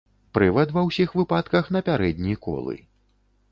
Прывад ва ўсіх выпадках на пярэдні колы.